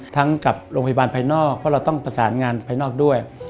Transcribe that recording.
กับโรงพยาบาลภายนอกเพราะเราต้องประสานงานภายนอกด้วย